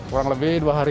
kurang lebih dua hari